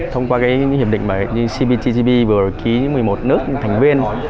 thông qua những hiệp định cptpp vừa ký một mươi một nước thành viên